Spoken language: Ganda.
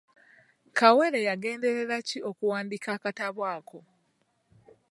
Kawere yagenderera ki okuwandiika akatabo ako?